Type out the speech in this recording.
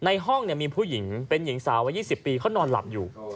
ในห้องมีผู้หญิงเป็นหญิงสาววัย๒๐ปีเขานอนหลับอยู่